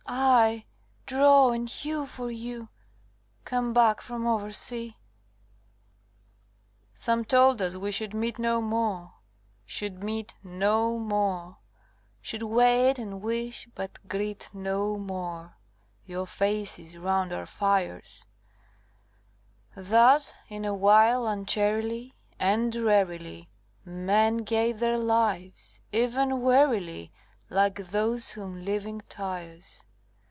—aye, draw and hew for you, Come back from oversea." III Some told us we should meet no more, Should meet no more; Should wait, and wish, but greet no more Your faces round our fires; That, in a while, uncharily And drearily Men gave their lives—even wearily, Like those whom living tires.